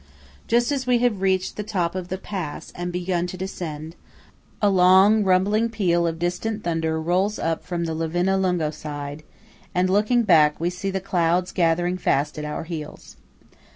Just as we have reached the top of the pass and begun to descend, a long, rumbling peal of distant thunder rolls up from the Livinallungo side, and, looking back, we see the clouds gathering fast at our heels.